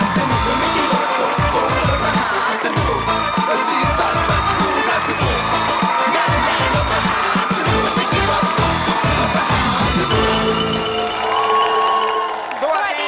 สวัสดีครับ